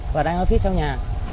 và đang ở phía sau nhà